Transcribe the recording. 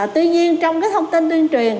tuy nhiên trong cái thông tin tuyên truyền